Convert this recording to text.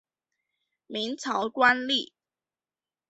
明朝官吏。